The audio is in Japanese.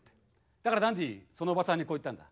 だからダンディそのおばさんにこう言ったんだ。